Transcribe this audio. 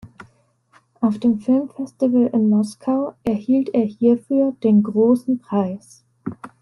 Auf dem Filmfestival in Moskau erhielt er hierfür den "Großen Preis".